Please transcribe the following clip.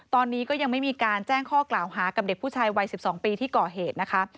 ตอนนี้ก็ยังไม่มีการแจ้งข้อกล่าวหากับเด็กผู้ชายวัย๑๒ปีที่ก่อเหตุนะคะ